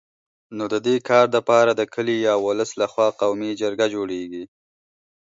نو د دي کار دپاره د کلي یا ولس له خوا قومي جرګه جوړېږي